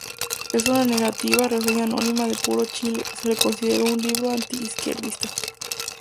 En una negativa reseña anónima de "Puro Chile", se le consideró un libro anti-izquierdista.